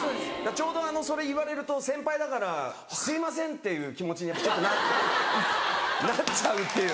ちょうどそれ言われると先輩だからすいませんっていう気持ちにちょっとなっちゃうっていう。